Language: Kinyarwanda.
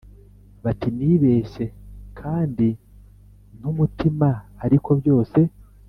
bati nibeshye kandi ntumutima, ariko byose